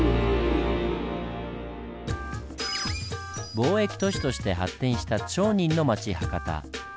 貿易都市として発展した町人の町博多。